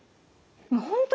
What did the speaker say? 本当